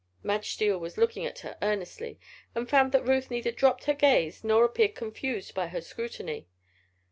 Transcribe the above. Madge Steele was looking at her earnestly and found that Ruth neither dropped her gaze nor appeared confused by her scrutiny.